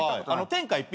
天下一品。